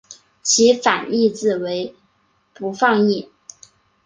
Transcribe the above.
其反义字为不放逸。